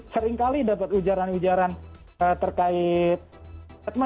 sering kali dapat ujaran ujaran terkait